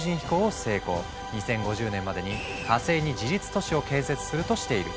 ２０５０年までに火星に自立都市を建設するとしている。